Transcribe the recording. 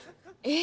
え？